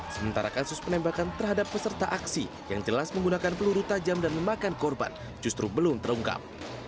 sementara kasus penembakan terhadap peserta aksi yang jelas menggunakan peluru tajam dan memakan korban justru belum terungkap